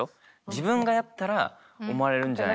自分がやったら思われるんじゃないかって。